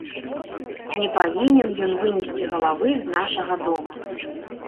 Не павінен ён вынесці галавы з нашага дома!